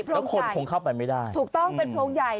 แล้วคนคงเข้าไปไม่ได้ถูกต้องเป็นโพรงใหญ่